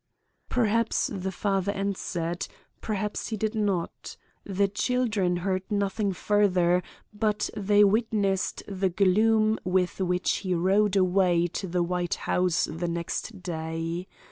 "Perhaps the father answered; perhaps he did not. The children heard nothing further, but they witnessed the gloom with which he rode away to the White House the next day.